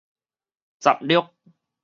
雜錄